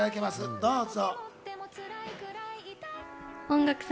どうぞ。